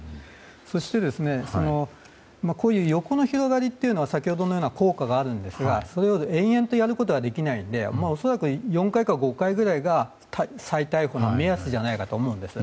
そして、横の広がりというのは先ほどのような効果があるんですがそれを延々とやることはできないので恐らく４回か５回ぐらいが再逮捕の目安じゃないかと思うんです。